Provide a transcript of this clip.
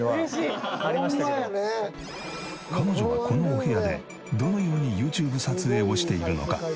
彼女はこのお部屋でどのようにＹｏｕＴｕｂｅ撮影をしているのか？